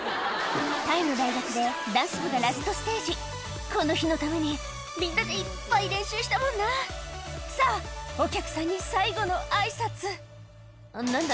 タイの大学でダンス部がラストステージこの日のためにみんでいっぱい練習したもんなさぁお客さんに最後の挨拶何だ？